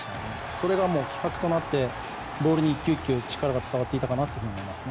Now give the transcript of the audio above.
それが気迫となってボール１球１球に伝わっていたと思います。